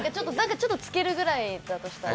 ちょっとつけるぐらいだとしたら。